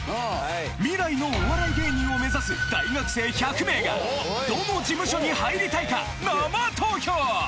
未来のお笑い芸人を目指すどの事務所に入りたいか生投票！